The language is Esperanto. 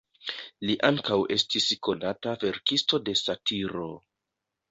Li ankaŭ estis konata verkisto de satiro.